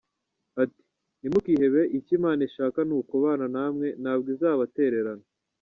Ati “Ntimukihebe, icyo Imana ishaka ni ukubana namwe ntabwo izabatererana”.